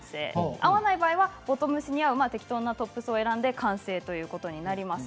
会わない場合はボトムスに合うトップスを選んで完成ということになります。